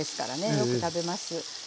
よく食べます。